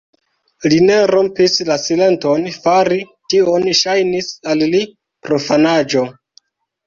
Li ne rompis la silenton; fari tion ŝajnis al li profanaĵo.